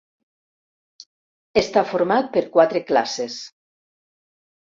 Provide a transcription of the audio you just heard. Està format per quatre classes.